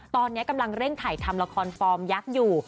ตอนนี้กำลังเร่งถ่ายทำละครฟอร์มยักษ์อยู่